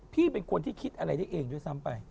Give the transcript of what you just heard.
เป็นคนที่คิดอะไรได้เองด้วยซ้ำไป